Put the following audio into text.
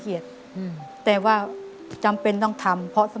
อเรนนี่คือเหตุการณ์เริ่มต้นหลอนช่วงแรกแล้วมีอะไรอีก